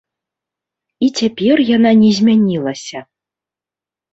І цяпер яна не змянілася.